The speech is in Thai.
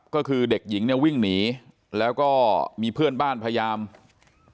ก็คือเด็กหญิงเนี่ยวิ่งหนีแล้วก็มีเพื่อนบ้านพยายาม